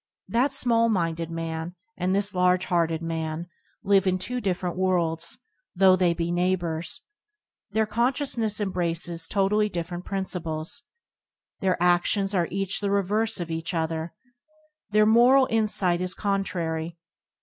That small minded man and this large hearted man live in two different worlds, though they be neighbours. Their con sciousness embraces totally different prin ciples. Their adions are each the reverse of the other. Their moral insight is contrary.